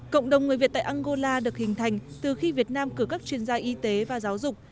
cộng đồng người việt tại angola được hình thành từ khi việt nam cử các chuyên gia y tế và giáo dục